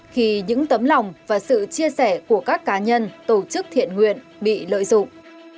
khi những tấm lòng và sự chia sẻ của các cá nhân tổ chức thiện nguyện bị lợi dụng